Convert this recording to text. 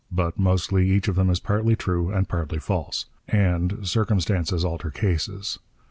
But, mostly, each of them is partly true and partly false: and 'circumstances alter cases.'